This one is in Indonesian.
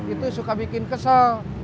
itu suka bikin kesel